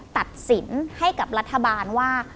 ตัดสินให้กับรัฐบาลว่า